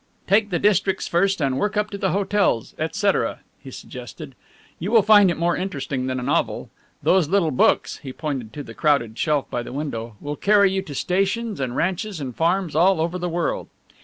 "Take the districts first and work up the hotels, et cetera," he suggested, "you will find it more interesting than a novel. Those little books," he pointed to the crowded shelf by the window, "will carry you to stations and ranches and farms all over the world.